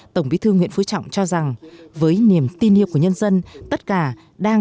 tổng bí thư nguyễn phú trọng cho rằng với niềm tin yêu của nhân dân